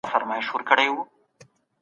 موږ خپله دنده پېژنو.